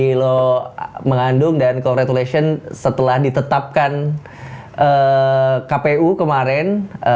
selain tadi lo mengandung dan congratulations setelah ditetapkan kpu kemarin